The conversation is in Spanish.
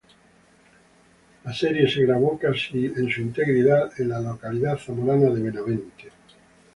La serie se grabó casi es su integridad en la localidad zamorana de Benavente.